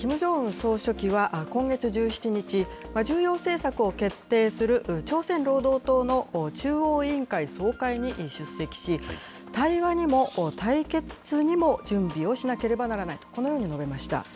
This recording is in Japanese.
総書記は、今月１７日、重要政策を決定する、朝鮮労働党の中央委員会総会に出席し、対話にも、対決にも準備をしなければならないと、このように述べました。